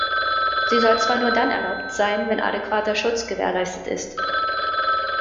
Sie soll zwar nur dann erlaubt sein, wenn adäquater Schutz gewährleistet ist.